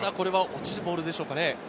落ちるボールでしょうか？